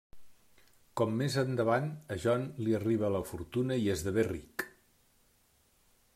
Com més endavant a John li arriba la fortuna i esdevé ric.